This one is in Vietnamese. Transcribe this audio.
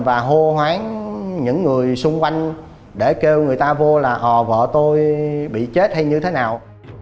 và hô hoáng những người xung quanh để kêu người ta vô là ò vợ tôi bị chết hay như thế nào